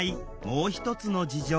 もう一つの事情。